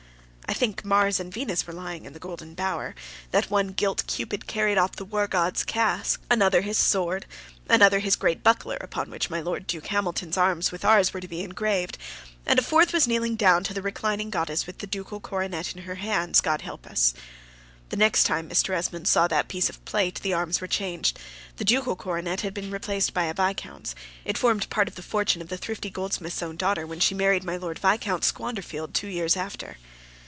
I think Mars and Venus were lying in the golden bower, that one gilt Cupid carried off the war god's casque another his sword another his great buckler, upon which my Lord Duke Hamilton's arms with ours were to be engraved and a fourth was kneeling down to the reclining goddess with the ducal coronet in her hands, God help us! The next time Mr. Esmond saw that piece of plate, the arms were changed, the ducal coronet had been replaced by a viscount's; it formed part of the fortune of the thrifty goldsmith's own daughter, when she married my Lord Viscount Squanderfield two years after.